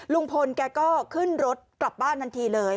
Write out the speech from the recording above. ลุงพลแกก็ขึ้นรถกลับบ้านทันทีเลย